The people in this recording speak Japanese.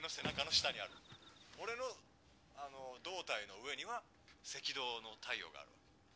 俺の胴体の上には赤道の太陽がある。